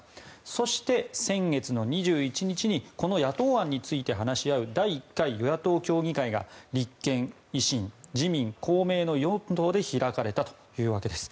そして先月２１日にこの野党案について話し合う第１回与野党協議会が立憲、維新、自民、公明の４党で開かれたというわけです。